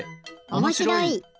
おもしろい！